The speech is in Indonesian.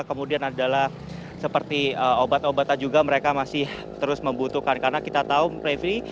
kemudian adalah seperti obat obatan juga mereka masih terus membutuhkan karena kita tahu prefri